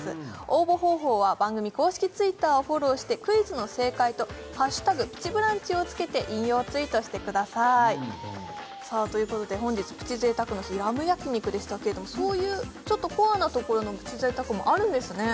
応募方法は番組公式Ｔｗｉｔｔｅｒをフォローしてクイズの正解と「＃プチブランチ」をつけて引用ツイートしてくださいということで本日プチ贅沢の日ラム焼肉でしたけどもそういうちょっとコアなところのプチ贅沢もあるんですね